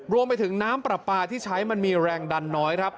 รวมไปถึงน้ำปลาปลาที่ใช้มันมีแรงดันน้อยครับ